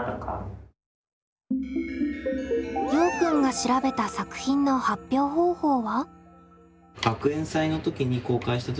ようくんが調べた作品の発表方法は？